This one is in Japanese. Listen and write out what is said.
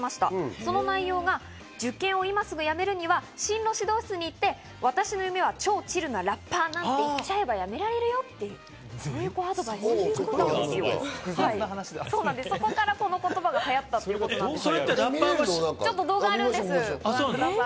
その内容が受験を今すぐやめるには進路指導室に行って、私の夢は超チルなラッパーなんですって言っちゃえばやめられるよってそういうアドバイスだったそうです。